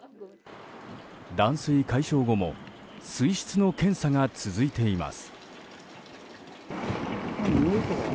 断水解消後も水質の検査が続いています。